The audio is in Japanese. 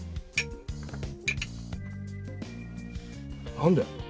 何で？